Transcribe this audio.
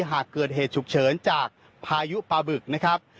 หากเกิดเหตุฉุกเฉินจากพายุปลาบึกนะครับ